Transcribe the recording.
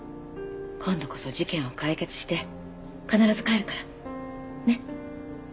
今度こそ事件を解決して必ず帰るから。ね？